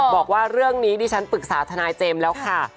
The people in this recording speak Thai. บอกว่าเนี่ยเรื่องที่ผมปรึกษาทนายเจมส์แล้วค่ะ